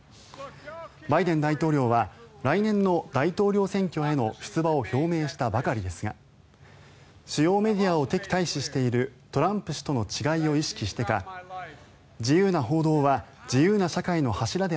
バイデン大統領は来年の大統領選挙への出馬を表明したばかりですが主要メディアを敵対視しているトランプ氏との違いを意識してか疲れた！